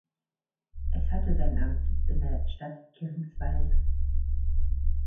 Es hatte seinen Amtssitz in der Stadt Geringswalde.